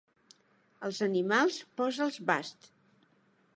Als animals, posa'ls bast.